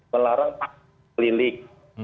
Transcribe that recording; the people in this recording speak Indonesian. melarang takdir pelilik